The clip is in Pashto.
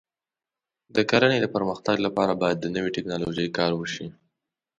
د کرنې د پرمختګ لپاره باید د نوې ټکنالوژۍ کار وشي.